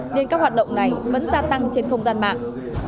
nên các hoạt động này vẫn gia tăng trên không gian mạng